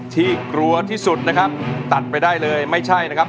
ที่กลัวที่สุดนะครับตัดไปได้เลยไม่ใช่นะครับ